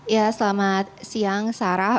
ya selamat siang sarah